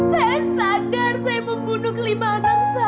saya sadar saya membunuh kelima orang saya